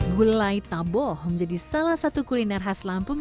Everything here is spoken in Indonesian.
gulai taboh menjadi salah satu kuliner khas lampung